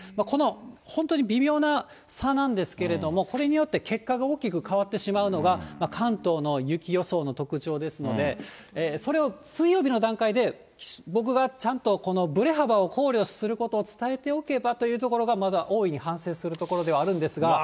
この本当に微妙な差なんですけれども、これによって結果が大きく変わってしまうのが、関東の雪予想の特徴ですので、それを水曜日の段階で、僕がちゃんとこのぶれ幅を考慮することを伝えておけばというところがまず大いに反省するところではあるんですが。